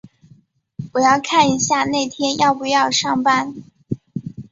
我要看一下那天要不要上班。